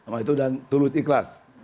nah itu dan tulus ikhlas